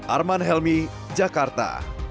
arman helmi jakarta